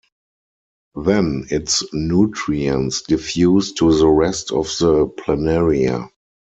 Then its nutrients diffuse to the rest of the planaria.